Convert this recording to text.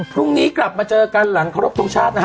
พรุ่งนี้กลับมาเจอกันหลังครบทรงชาตินะฮะ